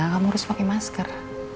kamu harus pake masker